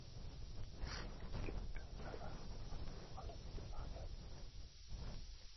Kimyo dala adog‘ini olib turadi.